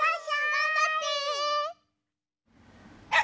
がんばって！